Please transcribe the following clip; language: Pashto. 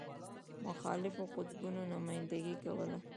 مخالفو قطبونو نمایندګي کوله.